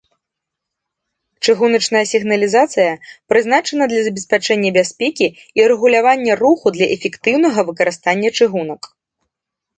Чыгуначная сігналізацыя прызначана для забеспячэння бяспекі і рэгулявання руху для эфектыўнага выкарыстання чыгунак.